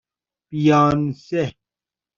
بیانسه